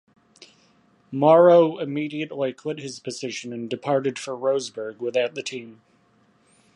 Morrow immediately quit his position and departed for Roseburg without the team.